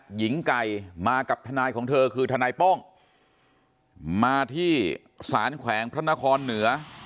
หญิงไก่มากับทนายของเธอคือทนายโป้งมาที่สารแขวงพระนครเหนือ